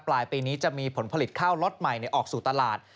ปลายปีนี้จะมีผลผลิตข้าวล็อตใหม่ออกสู่ตลาด